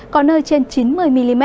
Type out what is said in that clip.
có nơi trên chín mươi mm